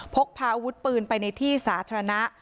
พกพาอาวุธปืนไปในที่สาธารณะ